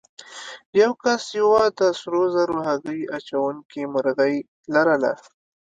یو کس یوه د سرو زرو هګۍ اچوونکې مرغۍ لرله.